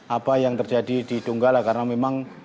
apa yang terjadi di donggala karena memang